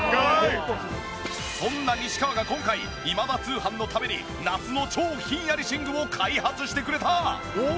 そんな西川が今回『今田通販』のために夏の超ひんやり寝具を開発してくれた！